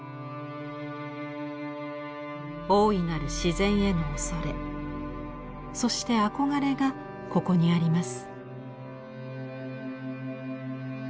大いなる自然への畏れそして憧れがここにあります。